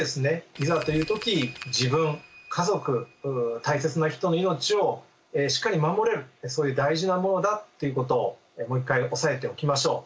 いざという時自分家族大切な人の命をしっかり守れるそういう大事なものだということをもう一回押さえておきましょう。